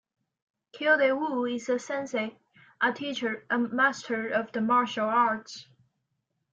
"Kildee Wu is a sensei", a teacher, a master of the martial arts.